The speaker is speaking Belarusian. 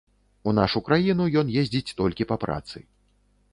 У нашу краіну ён ездзіць толькі па працы.